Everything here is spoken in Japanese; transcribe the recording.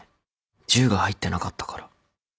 十が入ってなかったから。